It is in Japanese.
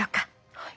はい。